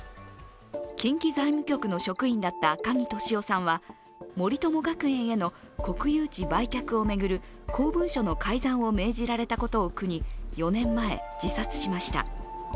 近畿財務局の職員だった赤木俊夫さんは森友学園への国有地売却を巡る公文書の改ざんを命じられたことを苦に４年前、自殺しました。